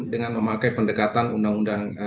dengan memakai pendekatan undang undang